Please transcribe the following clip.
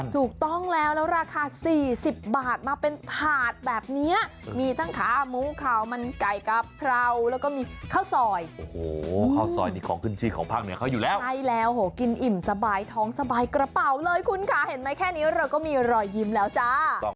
ถูกต้องแล้วแล้วราคา๔๐บาทมาเป็นถาดแบบนี้มีทั้งขาหมูขาวมันไก่กะเพราแล้วก็มีข้าวซอยโอ้โหข้าวซอยนี่ของขึ้นชื่อของภาคเหนือเขาอยู่แล้วใช่แล้วโหกินอิ่มสบายท้องสบายกระเป๋าเลยคุณค่ะเห็นไหมแค่นี้เราก็มีรอยยิ้มแล้วจ้า